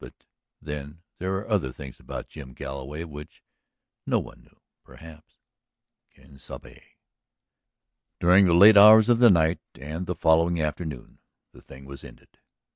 But then there were other things about Jim Galloway which no one knew. Perhaps ... Quien sabe! During the late hours of the night and the following forenoon the thing was ended.